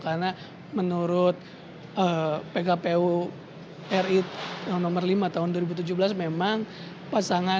karena menurut pkpu ri nomor lima tahun dua ribu tujuh belas memang